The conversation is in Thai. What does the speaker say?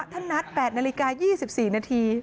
นัด๘นาฬิกา๒๔นาที